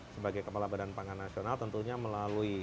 sebagai kepala badan pangan nasional tentunya melalui